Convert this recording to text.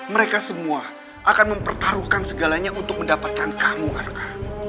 mereka semua akan mempertaruhkan segalanya untuk mendapatkan kamu harka